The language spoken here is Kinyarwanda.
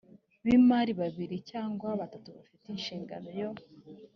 b imari babiri cyangwa batatu bafite inshingano yo